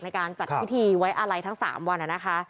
ในการจัดพิธีไว้อะไรทั้งสามวัน